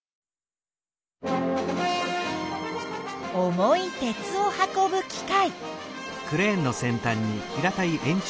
重い鉄を運ぶ機械。